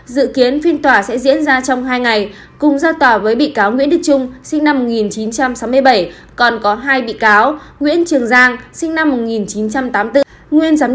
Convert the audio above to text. dự kiến phiên tòa sẽ diễn ra trong hai ngày cùng ra tòa với bị cáo nguyễn đức trung sinh năm một nghìn chín trăm linh